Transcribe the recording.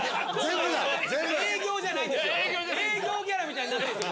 営業ギャラみたいになってるんすよ